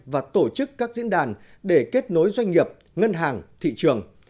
và tổ chức các diễn đàn để kết nối doanh nghiệp ngân hàng thị trường